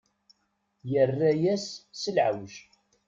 Yerra-yas s leɛweǧ.